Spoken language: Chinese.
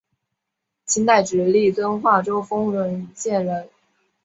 清代直隶遵化州丰润县人。